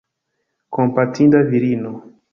Kompatinda virino!